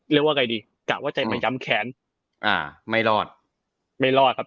เรียกว่าไงดีกะว่าจะมาย้ำแค้นอ่าไม่รอดไม่รอดครับ